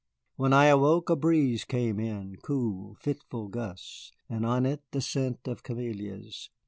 When I awoke a breeze came in cool, fitful gusts, and on it the scent of camellias.